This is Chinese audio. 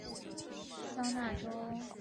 她后来搬到了亚利桑那州。